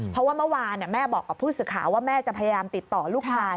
เพราะว่าเมื่อวานแม่บอกกับผู้สื่อข่าวว่าแม่จะพยายามติดต่อลูกชาย